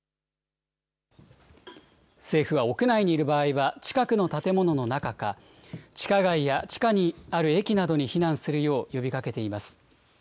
政府は屋内にいる場合は近くの建物の中か、地下街や地下にある駅などに避難するよう呼びかけています。